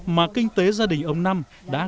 mà kinh tế gia đình ông năm và bà phúc